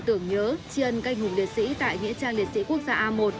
tưởng nhớ chiên cây ngục liệt sĩ tại nghĩa trang liệt sĩ quốc gia a một